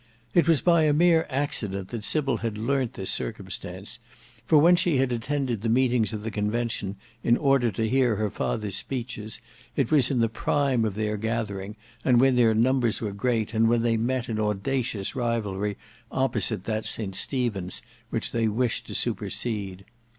It was by a mere accident that Sybil had learnt this circumstance, for when she had attended the meetings of the Convention in order to hear her father's speeches, it was in the prime of their gathering and when their numbers were great, and when they met in audacious rivalry opposite that St Stephen's which they wished to supersede.